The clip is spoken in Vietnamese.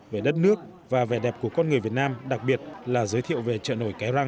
về đất nước và vẻ đẹp của con người việt nam đặc biệt là giới thiệu về trợ nổi cái răng